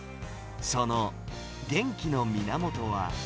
その元気の源は。